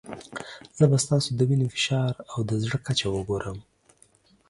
زه به ستاسو د وینې فشار او د زړه کچه وګورم.